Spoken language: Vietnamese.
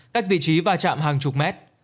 các vị trí va chạm hàng chục mét